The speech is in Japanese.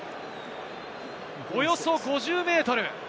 およそ５０ｍ。